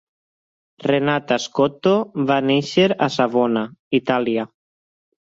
Renata Scotto va néixer a Savona, Itàlia.